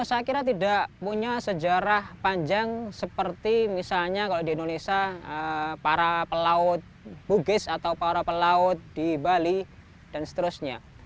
saya kira tidak punya sejarah panjang seperti misalnya kalau di indonesia para pelaut bugis atau para pelaut di bali dan seterusnya